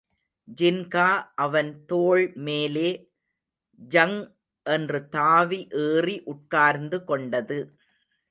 ஜின்கா அவன் தோள்மேலே ஜங் என்று தாவி ஏறி உட்கார்ந்து கொண்டது.